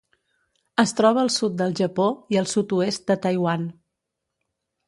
Es troba al sud del Japó i el sud-oest de Taiwan.